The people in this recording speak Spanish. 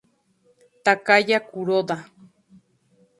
Takaya Kuroda